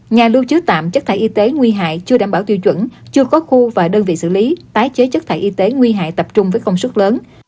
nhà lưu chứa tạm chất thải y tế nguy hại chưa đảm bảo tiêu chuẩn chưa có khu và đơn vị xử lý tái chế chất thải y tế nguy hại tập trung với công suất lớn